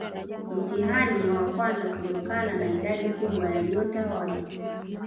Mtihani wa kwanza kutokana na idadi kubwa ya nyota wapya